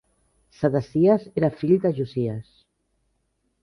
Sedecies era fill de Josies.